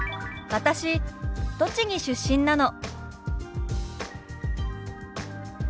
「私栃木出身なの」。